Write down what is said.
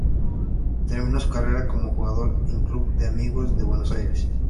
Terminó su carrera como jugador en Club de Amigos de Buenos Aires.